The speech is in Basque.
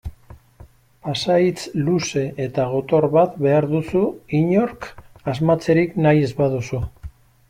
Pasahitz luze eta gotor bat behar duzu inork asmatzerik nahi ez baduzu.